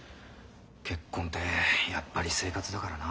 結婚ってやっぱり生活だからな。